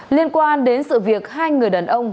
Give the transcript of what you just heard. liên quan đến sự việc hai người đàn ông